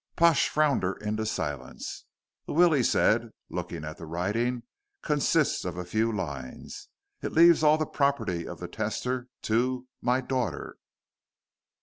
Pash frowned her into silence. "The will," he said, looking at the writing, "consists of a few lines. It leaves all the property of the testator to 'my daughter.'"